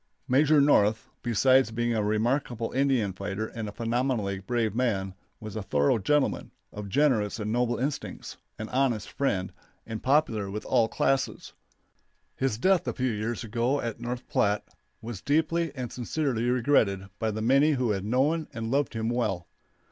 Major North, besides being a remarkable Indian fighter and a phenomenally brave man, was a thorough gentleman, of generous and noble instincts, an honest friend, and popular with all classes. His death a few years ago at North Platte was deeply and sincerely regretted by the many who had known and loved him well.